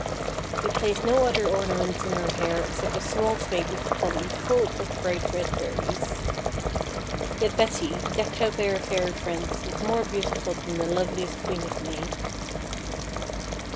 They placed no other ornament in her hair except a small twig of holly full of bright red berries. Yet Betty, decked out by her Fairy friends, was more beautiful than the loveliest Queen of May.